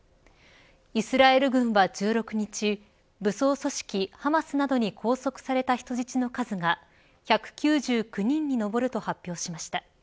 イスラエル軍は１６日武装組織ハマスなどに拘束された人質の数が１９９人に上ると発表しました。